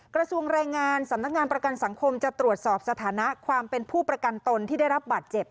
กระทรวงแรงงานสำนักงานประกันสังคมจะตรวจสอบสถานะความเป็นผู้ประกันตนที่ได้รับบาดเจ็บ